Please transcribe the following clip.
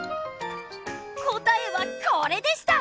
答えはこれでした！